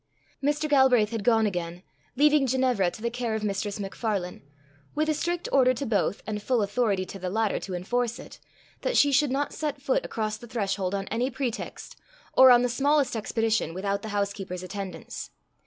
Mr. Galbraith had gone again, leaving Ginevra to the care of Mistress MacFarlane, with a strict order to both, and full authority to the latter to enforce it, that she should not set foot across the threshold on any pretext, or on the smallest expedition, without the housekeeper's attendance.